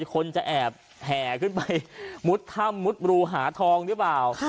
คนจะแอบแห่ขึ้นไปมุดถ้ำมุดรูหาทองหรือเปล่า